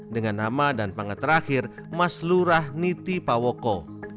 dengan nama dan pangkat terakhir mas lurah niti pawoko